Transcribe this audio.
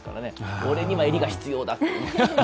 俺には襟が必要だって。